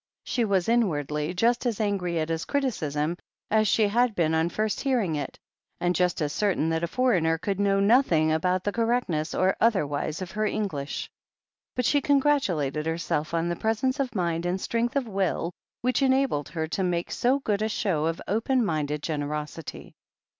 She was inwardly just as angry at his criticism as she had been on first hearing it, and just as certain that a foreigner could know nothing about the cor rectness or otherwise of her English. But she con gratulated herself on the presence of mind and strength of will which had enabled her to make so good a show of open minded generosity.